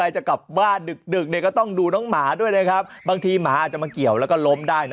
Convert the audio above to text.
จังหวะนั้นแหละค่ะ